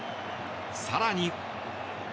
更に。